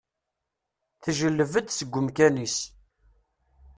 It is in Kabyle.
Teǧǧelleb-d seg umkan-is.